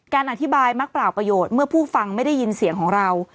อธิบายมักเปล่าประโยชน์เมื่อผู้ฟังไม่ได้ยินเสียงของเรา